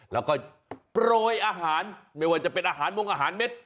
แล้วก็โปรยอาหารไม่ว่าจะเป็นอาหารมงอาหารเม็ด